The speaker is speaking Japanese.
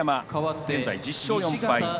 現在、１０勝４敗です。